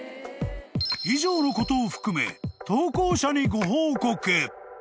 ［以上のことを含め投稿者に］